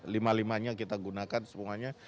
lima limanya kita gunakan semuanya